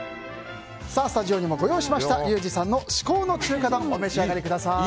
スタジオにもご用意しましたリュウジさんの至高の中華丼お召し上がりください。